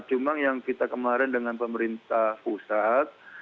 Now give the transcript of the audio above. cuma yang kita kemarin dengan pemerintah pusat